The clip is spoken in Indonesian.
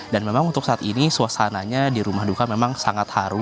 dan memang untuk saat ini suasananya di rumah luka memang sangat haru